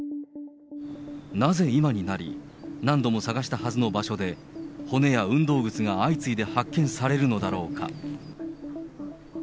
なぜ今になり、何度も捜したはずの場所で、骨や運動靴が相次いで発見されるのだろうか。